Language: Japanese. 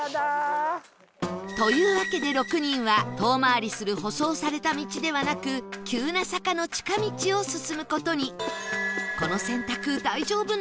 というわけで６人は遠回りする舗装された道ではなく急な坂の近道を進む事に